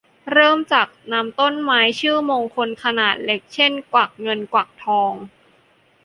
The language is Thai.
เริ่มจากนำต้นไม้ชื่อมงคลขนาดเล็ก เช่น กวักเงินกวักทอง